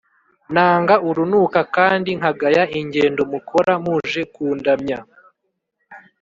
Nanga urunuka kandi nkagaya ingendo mukora muje kundamya,